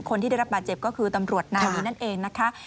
คนที่ได้รับบาดเจ็บก็คือตำรวจนายนี้นั่นเองนะคะ